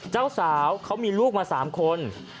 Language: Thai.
เจ้าสาวเขามีลูกมา๓คน